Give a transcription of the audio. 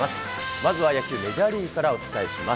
まずは野球、メジャーリーグからお伝えします。